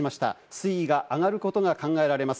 水位が上がることが考えられます。